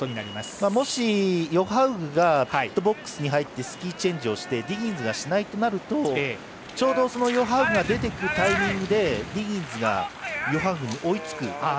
もしヨハウグがピットボックスに入ってスキーチェンジをしてディギンズがしないとなるとちょうどヨハウグが出てくるタイミングでディギンズがヨハウグに追いつく。